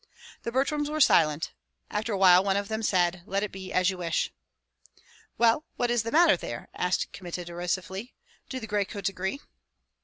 The Butryms were silent; after a while one of them said, "Let it be as you wish." "Well, what is the matter there?" asked Kmita, derisively. "Do the gray coats agree?"